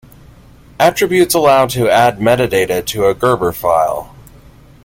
Attributes allow to add metadata to a Gerber file.